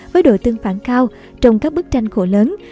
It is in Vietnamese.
với đội tương phản cao trong các bức tranh khổ lớn